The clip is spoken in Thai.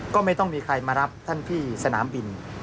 ก็ไม่ต้องมีใครมารับท่านที่สนามบิน